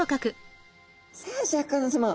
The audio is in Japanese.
さあシャーク香音さま。